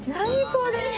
これ。